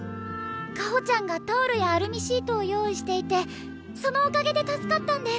香穂ちゃんがタオルやアルミシートを用意していてそのおかげで助かったんです。